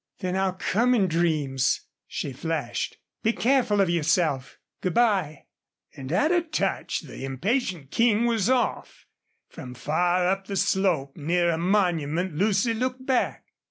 "Then I'll come in dreams," she flashed. "Be careful of yourself.... Good by." And at a touch the impatient King was off. From far up the slope near a monument Lucy looked back.